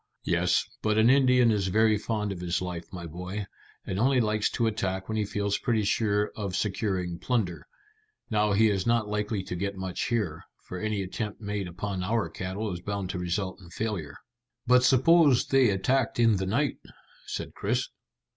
"Yes, but an Indian is very fond of his life, my boy, and only likes to attack when he feels pretty sure of securing plunder. Now he is not likely to get much here, for any attempt made upon our cattle is bound to result in failure." "But suppose they attacked in the night?" said Chris.